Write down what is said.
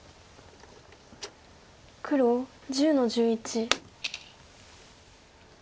黒１０の十一。